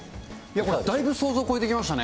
だいぶ想像を超えてきましたね。